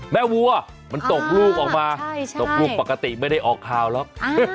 แม่หัวตกลูกออกมาปกติไม่ได้ออกคราวหรอก